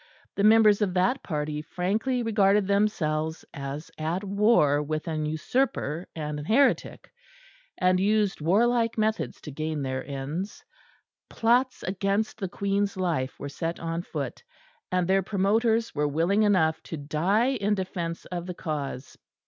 The members of that party frankly regarded themselves as at war with an usurper and an heretic; and used warlike methods to gain their ends; plots against the Queen's life were set on foot; and their promoters were willing enough to die in defence of the cause.